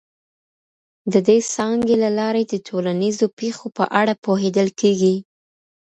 د دې څانګې له لاري د ټولنیزو پیښو په اړه پوهیدل کیږي.